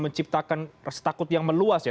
menciptakan restakut yang meluas ya